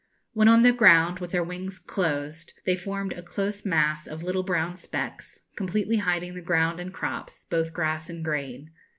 When on the ground, with their wings closed, they formed a close mass of little brown specks, completely hiding the ground and crops, both grass and grain.